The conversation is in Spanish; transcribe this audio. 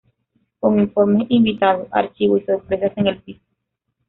Con informes, invitados, archivo y sorpresas en el piso.